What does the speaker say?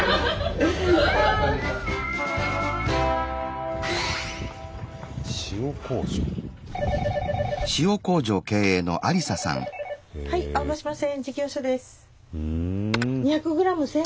うん。